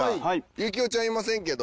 行雄ちゃんいませんけど。